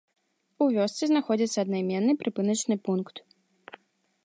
У вёсцы знаходзіцца аднайменны прыпыначны пункт.